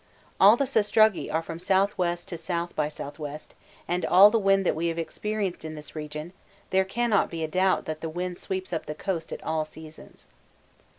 All the sastrugi are from S.W. by S. to S.W. and all the wind that we have experienced in this region there cannot be a doubt that the wind sweeps up the coast at all seasons.